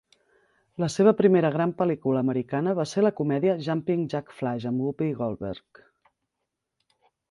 La seva primera gran pel·lícula americana va ser la comèdia "Jumpin' Jack Flash" amb Whoopi Goldberg.